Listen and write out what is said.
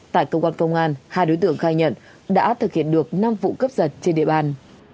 tại cơ quan công an hai đối tượng khai nhận đã thực hiện được năm vụ cướp giật trên địa bàn